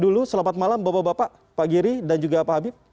dulu selamat malam bapak bapak pak giri dan juga pak habib